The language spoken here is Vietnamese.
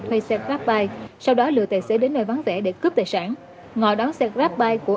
thuê xe grabbike sau đó lừa tài xế đến nơi vắng vẻ để cướp tài sản ngọ đón xe grabbike của